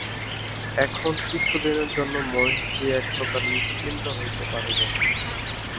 এখন কিছুদিনের জন্য মহিষী একপ্রকার নিশ্চিন্ত হইতে পারিলেন।